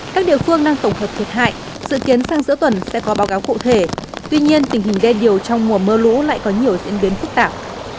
các địa phương đang tổng hợp thiệt hại dự kiến sang giữa tuần sẽ có báo cáo cụ thể tuy nhiên tình hình đê điều trong mùa mưa lũ lại có nhiều diễn biến phức tạp